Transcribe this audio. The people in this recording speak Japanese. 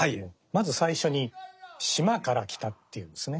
まず最初に「島から来た」って言うんですね。